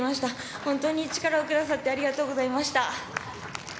本当に力をくださってありがとうございました。